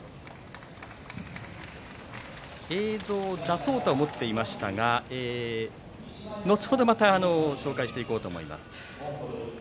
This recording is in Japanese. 映像を出そうと思っていましたが後ほどまたご紹介していこうと思います。